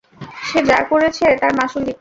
সে যা করেছে তার মাশুল দিচ্ছে।